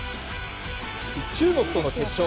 中国との決勝